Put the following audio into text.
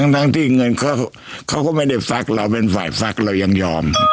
ทั้งที่เงินเขาก็ไม่ได้ฟักเราเป็นฝ่ายฟักเรายังยอม